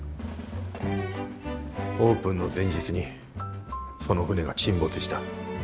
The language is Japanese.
オープンの前日にその船が沈没した。